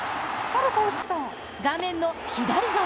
画面の左側。